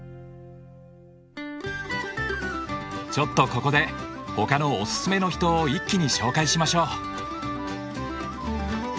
ちょっとここでほかのおすすめの秘湯を一気に紹介しましょう。